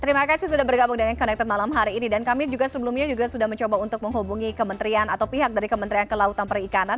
terima kasih sudah bergabung dengan connected malam hari ini dan kami juga sebelumnya juga sudah mencoba untuk menghubungi kementerian atau pihak dari kementerian kelautan perikanan